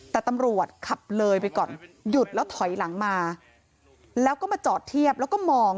แต่ตำรวจขับเลยไปก่อนหยุดแล้วถอยหลังมาแล้วก็มาจอดเทียบแล้วก็มอง